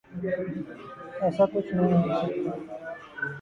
ایسا کچھ نہیں ہونا تھا۔